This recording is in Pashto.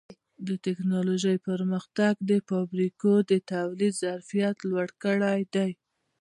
د ټکنالوجۍ پرمختګ د فابریکو د تولید ظرفیت لوړ کړی دی.